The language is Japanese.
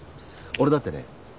俺だってね